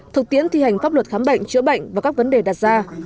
thực tiễn thi hành pháp luật khám bệnh chữa bệnh và các vấn đề đặt ra